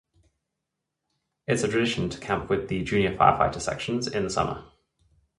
It's a tradition to camp with the junior firefighter sections in the summer.